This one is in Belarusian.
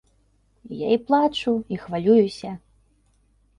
Я і плачу, і хвалююся.